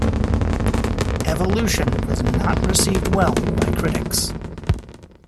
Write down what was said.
"Evolution" was not received well by critics.